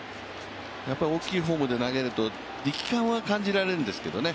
大きいフォームで投げると力感は感じられるんですけどね。